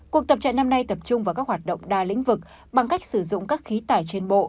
cuộc tập trận năm nay tập trung vào các hoạt động đa lĩnh vực bằng cách sử dụng các khí tải trên bộ